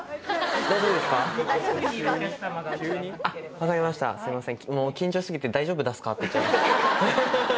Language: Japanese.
分かりましたすいません。